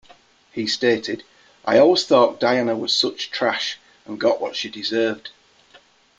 He stated: I always thought Diana was such trash and got what she deserved.